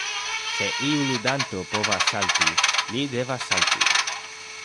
Se iu ludanto povas salti li devas salti.